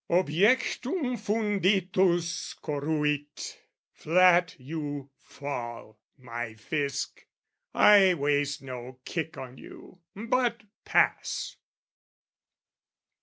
Objectum funditus corruit, flat you fall, My Fisc! I waste no kick on you but pass.